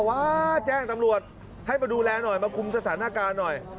ว่าแจ้งตำรวจให้มาดูแลหน่อยมาคุมสถานการณ์หน่อย